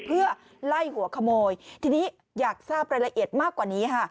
เพื่อไล่หัวขโมยทีนี้อยากทราบรายละเอียดมากกว่านี้ค่ะ